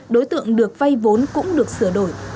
đối tượng được vay vốn cũng được sửa đổi